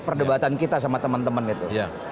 perdebatan kita sama teman teman itu